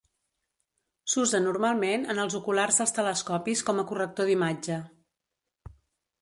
S'usa normalment en els oculars dels telescopis com a corrector d'imatge.